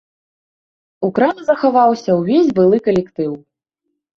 У краме захаваўся ўвесь былы калектыў.